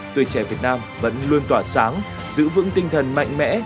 tuổi trẻ việt nam vẫn luôn tỏa sáng giữ vững tinh thần mạnh mẽ